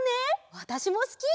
わたしもすき！